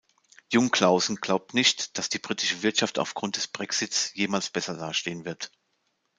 Jungclaussen glaubt nicht, dass die britische Wirtschaft aufgrund des Brexit jemals besser dastehen wird.